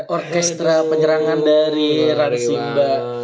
orkestra penyerangan dari rariwad